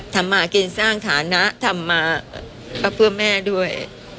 ทำมากินสร้างฐานะทำมาก็เพื่อแม่ด้วย